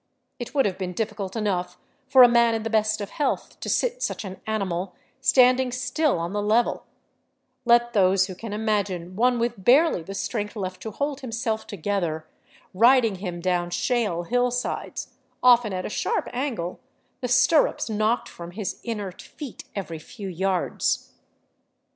It would have been difficult enough for a man in the best of health to sit such an animal standing still on the level; let those who can imagine one with barely the strength left to hold himself together riding him down shale hillsides, often at a sharp angle, the stirrups knocked from his inert feet every few yards.